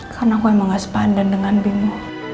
karena aku emang gak sepadan dengan bimbo